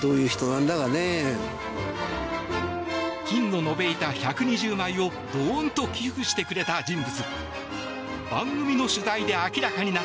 金の延べ板１２０枚をドーンと寄付してくれた人物。